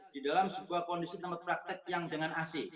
di dalam sebuah kondisi tempat praktek yang dengan ac